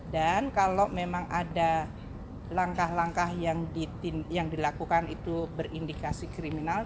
dan kalau memang ada langkah langkah yang dilakukan itu berindikasi kriminal